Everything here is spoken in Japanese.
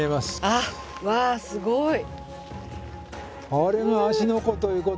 あっわすごい。